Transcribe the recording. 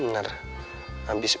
dan hdnya lumayan gede juga ya